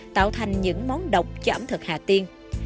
tạo thành những món độc cho ẩm thực hà tiên